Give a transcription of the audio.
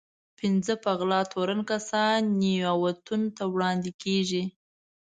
پنځه په غلا تورن کسان نياوتون ته وړاندې کېږي.